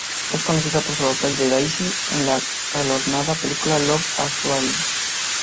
Es conocida por su papel de "Daisy" en la galardonada película Love Actually.